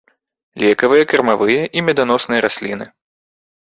Лекавыя, кармавыя і меданосныя расліны.